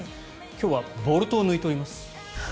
今日はボルトを抜いております。